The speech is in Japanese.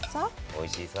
おいしいさ。